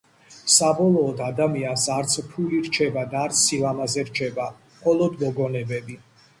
საბოლოოდ ადამიანს არც ფული რჩება და არც სილამაზე რჩება მხოლოდ მოგონებები